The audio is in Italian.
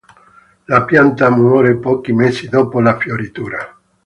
La pianta muore pochi mesi dopo la fioritura.